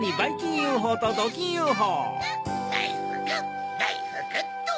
だいふくだいふくっと！